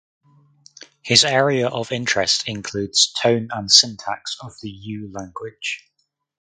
His area of interest includes tone and syntax of the Ewe language.